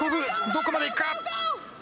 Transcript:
どこまでいくか。